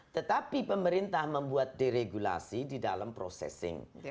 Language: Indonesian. tetapi pemerintah membuat deregulasi di dalam processing